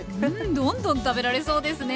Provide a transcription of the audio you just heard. どんどん食べられそうですね。